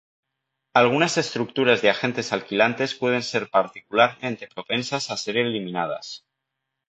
Algunas estructuras de agentes alquilantes pueden ser particularmente propensas a ser eliminadas.